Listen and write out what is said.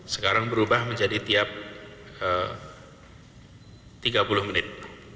sekarang berubah menjadi tiap tiga puluh menit